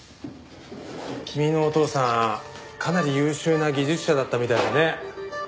君のお父さんかなり優秀な技術者だったみたいだね。